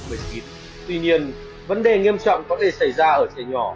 tuy nhiên vấn đề nghiêm trọng có thể xảy ra ở trẻ nhỏ